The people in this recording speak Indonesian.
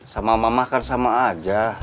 sama mama kan sama aja